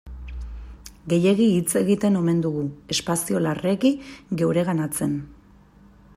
Gehiegi hitz egiten omen dugu, espazio larregi geureganatzen.